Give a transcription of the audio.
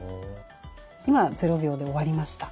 今０秒で終わりました。